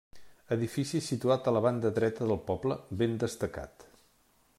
Edifici situat a la banda dreta del poble, ben destacat.